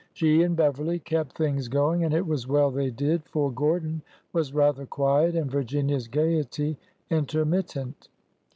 She and Beverly kept things going; and it was well they did, for Gordon was rather quiet and Virginia's gaiety inter mittent.